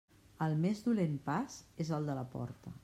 El més dolent pas és el de la porta.